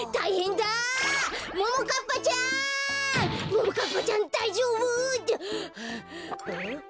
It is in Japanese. ももかっぱちゃんだいじょうぶ？はああっ？